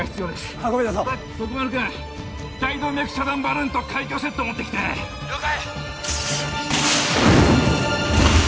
運び出そう徳丸君大動脈遮断バルーンと開胸セット持ってきて了解！